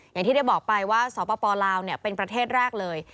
อย่างที่ได้บอกไปว่าสปลาวเป็นประเทศแรกเลย